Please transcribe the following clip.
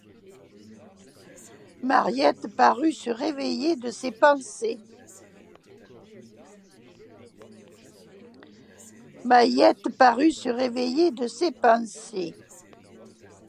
Mahiette parut se réveiller de ses pensées.